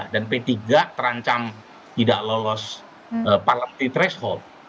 dan p tiga terancam tidak lolos parlemen di threshold